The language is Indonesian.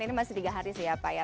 ini masih tiga hari sih ya pak ya